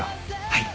はい。